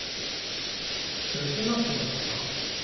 渦巻きのボタン？